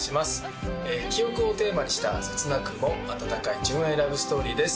記憶をテーマにした切なくも温かい純愛ラブストーリーです。